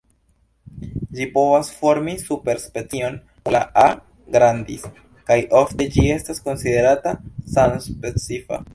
Ĝi povas formi superspecion kun la "A. grandis" kaj ofte ĝi estas konsiderata samspecifa.